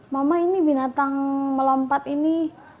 mama ini binatang melompat ini